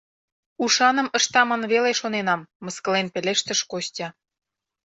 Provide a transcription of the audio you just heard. Ушаным ышта ман веле шоненам, — мыскылен пелештыш Костя.